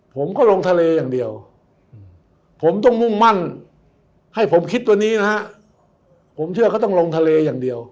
ผมก็ลงทะเลอย่างเดียวผมต้องมุ่งมั่นให้ผมคิดตัวนี้นะฮะผมเชื่อเขาต้องลงทะเลอย่างเดียว